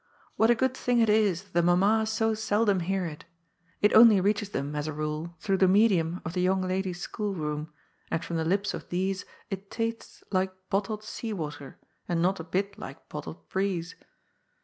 What a good thing it is that the mammas so seldom hear it I It only reaches them, as a rule, through the medium of the young ladies' schoolroom, and from the lips of these it tastes like bottled sea water, and not a bit like bottled breeze.